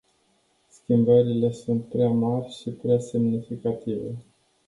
Schimbările sunt prea mari și prea semnificative.